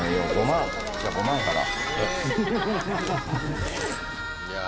５万から。